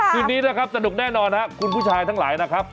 คืนนี้นะครับสนุกแน่นอนครับคุณผู้ชายทั้งหลายนะครับ